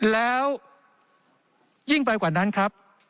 แล้วยิ่งไปกว่านั้นครับ